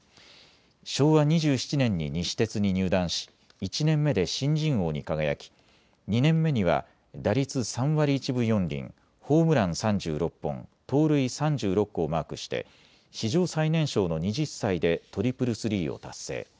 昭和２７年に西鉄に入団し１年目で新人王に輝き、２年目には打率３割１分４厘、ホームラン３６本、盗塁３６個をマークして史上最年少の２０歳でトリプルスリーを達成。